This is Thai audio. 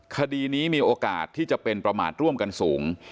คดีนี้มีโอกาสที่จะเป็นประมาทร่วมกันสูง